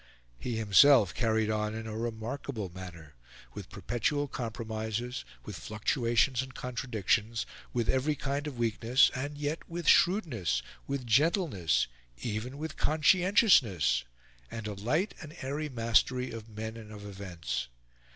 He himself carried on in a remarkable manner with perpetual compromises, with fluctuations and contradictions, with every kind of weakness, and yet with shrewdness, with gentleness, even with conscientiousness, and a light and airy mastery of men and of events.